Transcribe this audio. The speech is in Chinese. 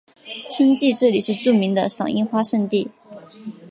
春季这里是著名的赏樱花胜地。